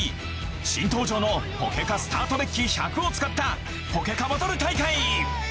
新登場のポケカスタートデッキ１００を使ったポケカバトル大会。